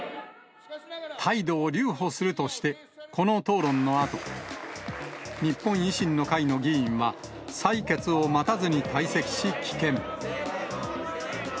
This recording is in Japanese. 態度を留保するとして、この討論のあと、日本維新の会の議員は、採決を待たずに退席し、棄権。